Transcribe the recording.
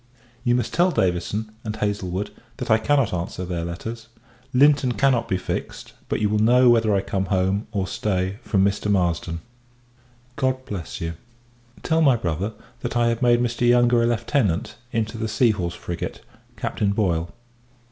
You must tell Davison, and Haslewood, that I cannot answer their letters. Linton cannot be fixed; but you will know whether I come home, or stay, from Mr. Marsden. God bless you! Tell my brother, that I have made Mr. Yonge a Lieutenant, into the Sea horse frigate, Captain Boyle.